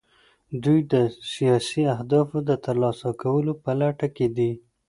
دوی د سیاسي اهدافو د ترلاسه کولو په لټه کې دي